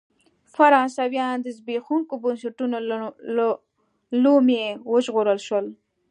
فرانسویان د زبېښونکو بنسټونو له لومې وژغورل شول.